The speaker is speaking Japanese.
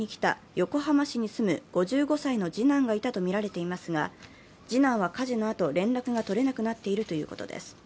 横浜市に住む５５歳の次男がいたとみられていますが次男は火事のあと連絡が取れなくなっているということです。